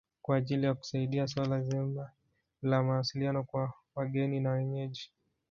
Kwa ajili ya kusaidia suala zima la mawasiliano kwa wageni na wenyeji